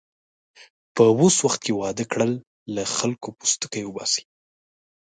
په اوس وخت کې واده کړل، له خلکو پوستکی اوباسي.